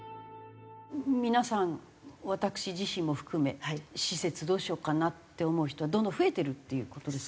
皆さん私自身も含め施設どうしようかな？って思う人はどんどん増えてるっていう事ですか？